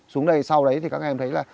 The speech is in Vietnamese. xuống đây sau đấy thì các em thấy là